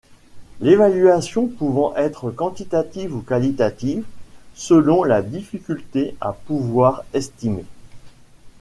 L’évaluation pouvant être quantitative ou qualitative selon la difficulté à pouvoir estimer.